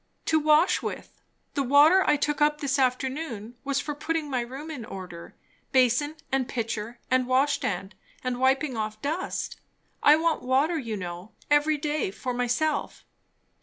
"To wash with. The water I took up this afternoon was for putting my room in order, basin and pitcher and washstand, and wiping off dust. I want water, you know, every day for myself."